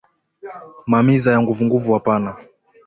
Ma miza yanguvunguvu apana